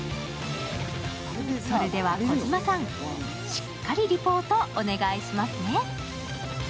それでは児嶋さん、しっかりリポートお願いしますね。